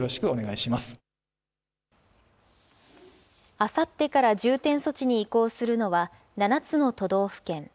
あさってから重点措置に移行するのは、７つの都道府県。